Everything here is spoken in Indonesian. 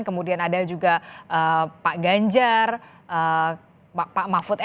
kemudian ada juga pak ganjar pak mahfud md